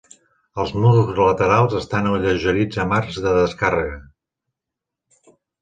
Els murs laterals estan alleugerits amb arcs de descàrrega.